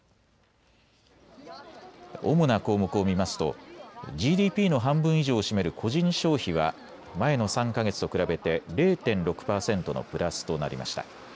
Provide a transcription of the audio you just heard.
主な項目を見ますとＧＤＰの半分以上を占める個人消費は前の３か月と比べて０．６％のプラスとなりました。